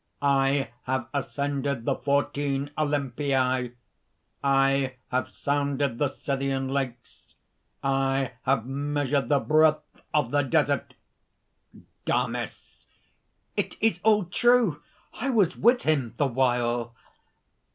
I have ascended the fourteen Olympii; I have sounded the Scythian lakes; I have measured the breadth of the Desert!" DAMIS. "It is all true! I was with him the while!"